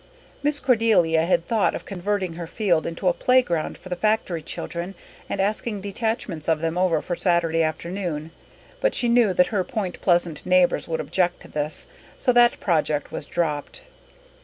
Miss Cordelia had thought of converting her field into a playground for the factory children and asking detachments of them over on Saturday afternoon. But she knew that her Point Pleasant neighbours would object to this, so that project was dropped.